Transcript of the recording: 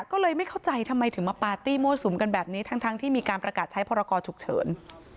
ก็เลยไม่เข้าใจทำไมถึงมาปาร์ตี้มั่วสุมกันแบบนี้ทั้งที่มีการประกาศใช้พรกรฉุกเฉิน